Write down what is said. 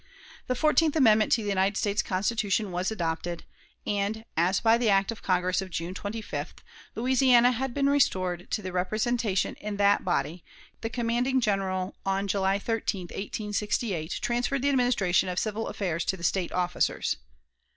The fourteenth amendment to the United States Constitution was adopted; and, as by the act of Congress of June 25th, Louisiana had been restored to representation in that body, the commanding General on July 13, 1868, transferred the administration of civil affairs to the State officers.